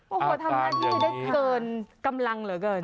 โอ้โหทำหน้าที่ได้เกินกำลังเหลือเกิน